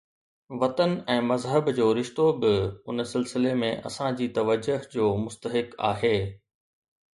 وطن ۽ مذهب جو رشتو به ان سلسلي ۾ اسان جي توجه جو مستحق آهي.